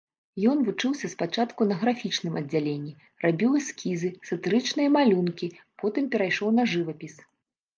Ён вучыўся спачатку на графічным аддзяленні, рабіў эскізы, сатырычныя малюнкі, потым перайшоў на жывапіс.